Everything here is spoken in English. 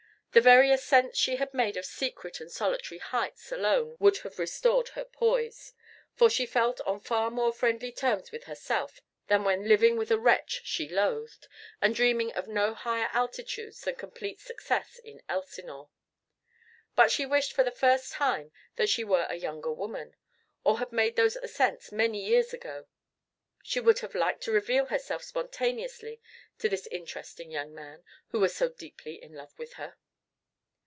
The very ascents she had made of secret and solitary heights alone would have restored her poise, for she felt on far more friendly terms with herself than when living with a wretch she loathed, and dreaming of no higher altitudes then complete success in Elsinore. But she wished for the first time that she were a younger woman, or had made those ascents many years ago; she would have liked to reveal herself spontaneously to this interesting young man who was so deeply in love with her.